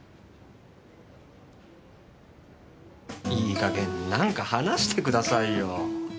いい加減何か話してくださいよ。